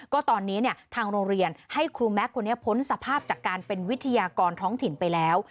ก็ตอนนี้ทางโรงเรียนให้ครูแม็กซคนนี้พ้นสภาพจากการเป็นวิทยากรท้องถิ่นไปแล้ว